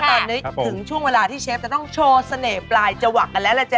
ตอนนี้ถึงช่วงเวลาที่เชฟจะต้องโชว์เสน่ห์ปลายจวักกันแล้วล่ะจ๊